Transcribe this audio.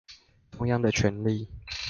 中央的權力